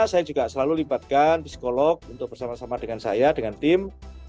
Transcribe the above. saya juga selalu libatkan psikolog untuk bersama sama dengan saya dengan tim